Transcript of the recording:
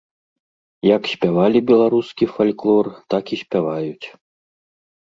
Як спявалі беларускі фальклор, так і спяваюць.